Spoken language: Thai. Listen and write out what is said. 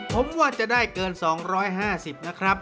ผมว่าจะได้เกิน๒๕๐นะครับ